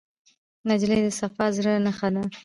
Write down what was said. نجلۍ د صفا زړه نښه ده.